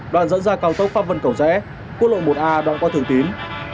đoạn dẫn ra cao tốc pháp vân cẩu rẽ quốc lộ một a đoạn qua thử tín